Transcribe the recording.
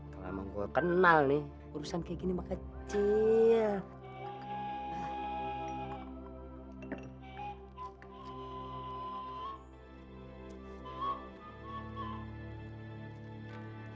kalau emang gue kenal nih urusan kayak gini maka kecil